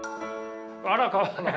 あらかわいい。